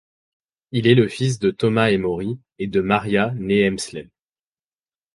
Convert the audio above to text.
Il est le fils de Thomas Emory et de Maria née Hemsley.